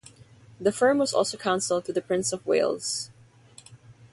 The firm was also counsel to the Prince of Wales.